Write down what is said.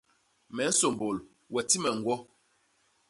Me nsômbôl, we ti me ñgwo.